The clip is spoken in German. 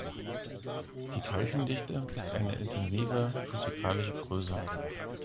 Die Teilchendichte ist eine intensive physikalische Größe.